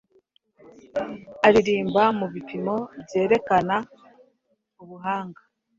Aririmba mubipimo byerekana ubuhanga